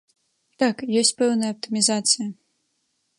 Так, ёсць пэўная аптымізацыя.